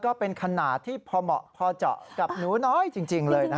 ก็เป็นขนาดที่พอเหมาะพอเจาะกับหนูน้อยจริงเลยนะ